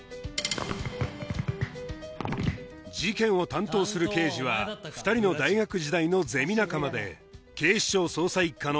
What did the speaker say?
事件を担当する刑事は２人の大学時代のゼミ仲間で警視庁捜査一課の穿地決